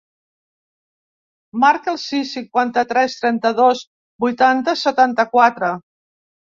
Marca el sis, cinquanta-tres, trenta-dos, vuitanta, setanta-quatre.